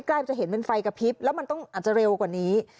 ใกล้จะเห็นเป็นไฟกระพริบแล้วมันต้องอาจจะเร็วกว่านี้